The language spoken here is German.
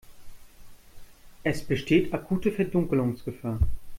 Es besteht akute Verdunkelungsgefahr.